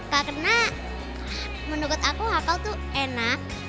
karena menurut aku hakau itu enak